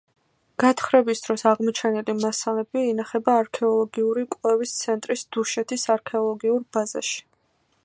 გათხრების დროს აღმოჩენილი მასალები ინახება არქეოლოგიური კვლევის ცენტრის დუშეთის არქეოლოგიურ ბაზაში.